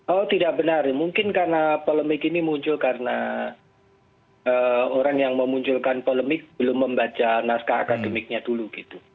oh tidak benar mungkin karena polemik ini muncul karena orang yang memunculkan polemik belum membaca naskah akademiknya dulu gitu